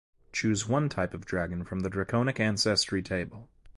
Choose one type of dragon from the Draconic Ancestry table.